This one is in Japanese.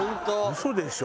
嘘でしょ？